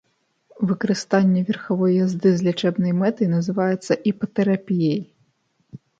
Выкарыстанне верхавой язды з лячэбнай мэтай называецца іпатэрапіяй.